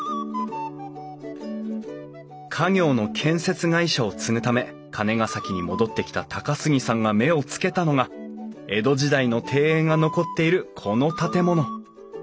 家業の建設会社を継ぐため金ケ崎に戻ってきた高杉さんが目をつけたのが江戸時代の庭園が残っているこの建物。